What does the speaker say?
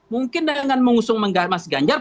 mungkin dengan mengusung mas ganjar